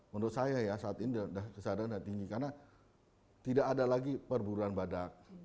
menurut saya saat ini sudah sadar dan tinggi karena tidak ada lagi perburuan badak